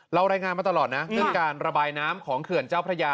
รายงานมาตลอดนะเรื่องการระบายน้ำของเขื่อนเจ้าพระยา